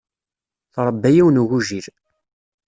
Tṛebba yiwen n ugujil.